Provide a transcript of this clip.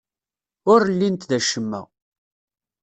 Ur llint d acemma.